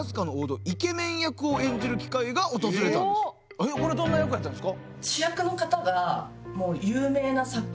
えっこれどんな役やったんですか？